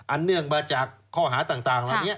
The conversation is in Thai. เนื่องมาจากข้อหาต่างเหล่านี้